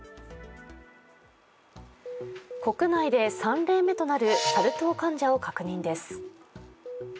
国内で３例目となるサル痘患者を確認です。